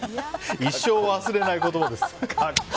一生忘れない言葉です。